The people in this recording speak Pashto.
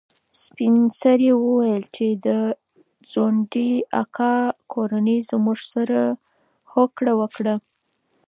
سپین سرې وویل چې د ځونډي اکا کورنۍ زموږ سره هوکړه وکړه.